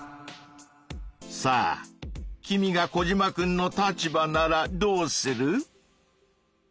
さあ君がコジマくんの立場ならどうする？